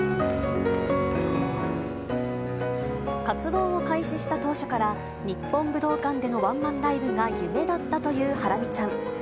活動を開始した当初から、日本武道館でのワンマンライブが夢だったというハラミちゃん。